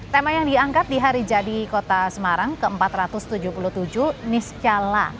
tema yang diangkat di hari jadi kota semarang ke empat ratus tujuh puluh tujuh niscala